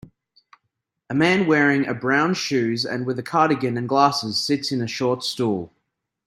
A man wearing a brown shoes and with a cardigan and glasses sits in a short stool.